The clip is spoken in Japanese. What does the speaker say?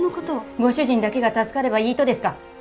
ご主人だけが助かればいいとですか？